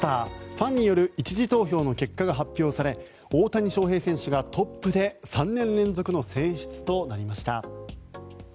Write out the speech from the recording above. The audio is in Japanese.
ファンによる１次投票の結果が発表され大谷翔平選手がトップで３年連続の選出となりました。